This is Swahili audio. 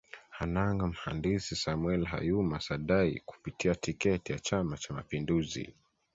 Hanang Mhandisi Samwel Hayuma saday kupitia tiketi ya Chama cha mapinduzi